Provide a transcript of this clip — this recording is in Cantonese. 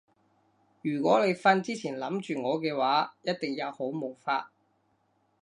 如果你瞓之前諗住我嘅話一定有好夢發